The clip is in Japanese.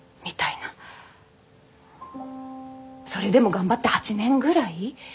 それでも頑張って８年ぐらい？